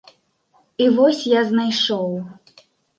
І вось я знайшоў.